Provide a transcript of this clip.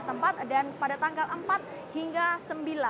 setelah itu akan menemukan raja salman di jawa barat